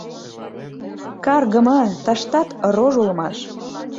Каргыме, тыштат рож улмаш...